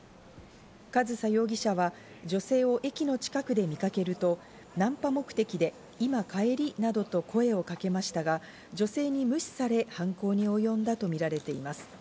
上総容疑者は女性を駅の近くで見かけると、ナンパ目的で今帰り？などと声をかけましたが、女性に無視され犯行に及んだとみられています。